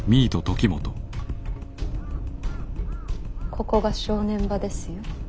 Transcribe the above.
ここが正念場ですよ。